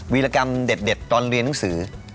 วิรกรรมเด็ดตอนเรียนหนังสือ